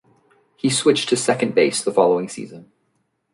He switched to second base the following season.